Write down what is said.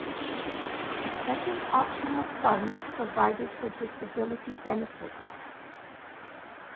A second optional fund provided for disability benefits.